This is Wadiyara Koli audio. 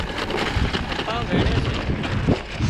ڪپا وينڻي سي